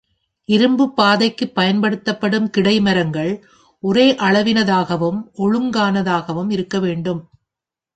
இருப்புப்பாதைக்குப் பயன் படுத்தப்படும் கிடைமரங்கள் ஒரே அளவினதாகவும், ஒழுங்கானதாகவும் இருக்கவேண்டும்.